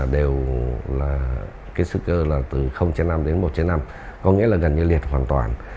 đều là cái sức cơ là từ năm đến một trên năm có nghĩa là gần như liệt hoàn toàn